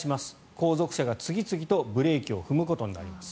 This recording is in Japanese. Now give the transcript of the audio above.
後続車が次々とブレーキを踏むことになります。